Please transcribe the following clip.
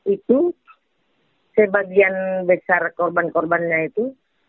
itu sebagian besar korban korbannya itu